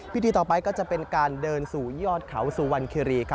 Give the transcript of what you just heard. พิธีต่อไปก็จะเป็นการเดินสู่ยอดเขาสุวรรณคิรี